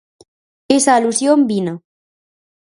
Esa alusión vina.